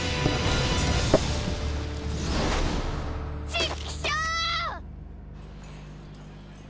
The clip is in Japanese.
ちっきしょ！